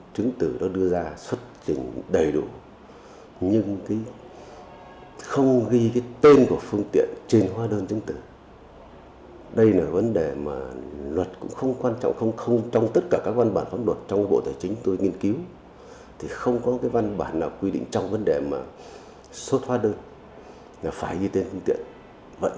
chúng tôi nghiên cứu thì không có cái văn bản nào quy định trong vấn đề mà xuất hóa đơn là phải như tên phương tiện vận chuyển hàng lậu này chở hàng lậu hàng đấy